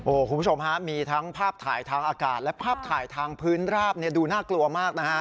คุณผู้ชมฮะมีทั้งภาพถ่ายทางอากาศและภาพถ่ายทางพื้นราบดูน่ากลัวมากนะฮะ